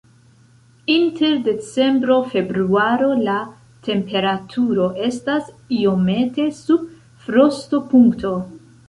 Inter decembro-februaro la temperaturo estas iomete sub frostopunkto.